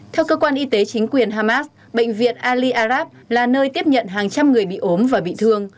theo cơ quan y tế chính quyền hamas bệnh viện ali arab là nơi tiếp nhận hàng trăm người bị ốm và bị thương